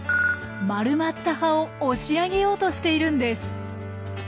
丸まった葉を押し上げようとしているんです。